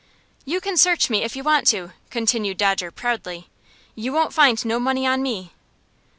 "You can search me if you want to," continued Dodger, proudly. "You won't find no money on me."